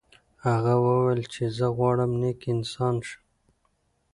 هغه وویل چې زه غواړم نیک انسان شم.